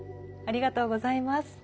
ありがとうございます。